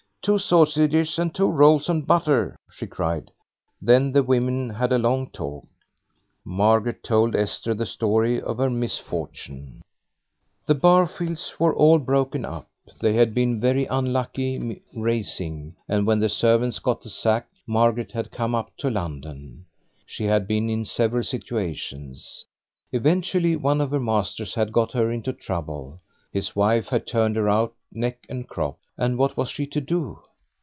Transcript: Two sausages and two rolls and butter," she cried. Then the women had a long talk. Margaret told Esther the story of her misfortune. The Barfields were all broken up. They had been very unlucky racing, and when the servants got the sack Margaret had come up to London. She had been in several situations. Eventually, one of her masters had got her into trouble, his wife had turned her out neck and crop, and what was she to do?